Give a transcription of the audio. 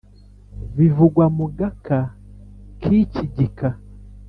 bivugwa mu gaka k icyi gika